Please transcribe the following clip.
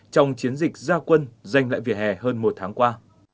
trong chiến dịch gia quân giành lại vỉa hè hơn một tháng qua